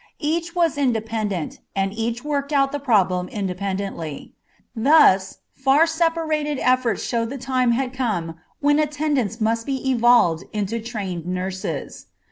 Each was independent, and each worked out the problem independently. Thus, far separated efforts showed the time had come when attendants must be evolved into trained nurses.